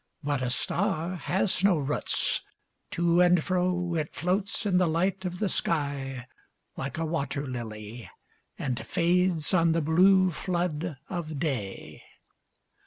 'But a star has no roots : to and fro It floats in the light of the sky, like a wat«r ]ily. And fades on the blue flood of day.